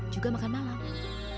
juga makan malam